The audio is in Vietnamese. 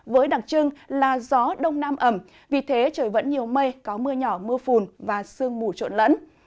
với đặc trưng là gió đông nam ẩm vì thế trời vẫn nhiều mây có mưa nhỏ mưa phùn và sương mù trộn lẫn